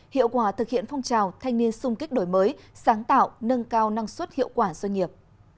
hiệu quả thực hiện phong trào thanh niên sung kích đổi mới sáng tạo nâng cao năng suất hiệu quả doanh nghiệp